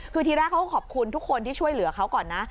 คือทีแรกเขาก็ขอบคุณทุกคนที่ช่วยเหลือเขาก่อนนะ